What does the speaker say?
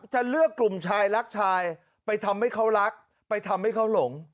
จะเลือกกลุ่มชายรักชายไปทำให้เขารักไปทำให้เขาหลง